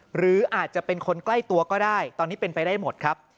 หรืออาจจะเป็นคนใกล้ตัวก็ได้ตอนนี้เป็นไปได้หมดครับ